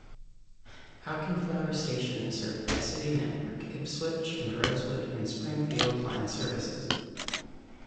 Auchenflower station is served by City network Ipswich and Rosewood and Springfield line services.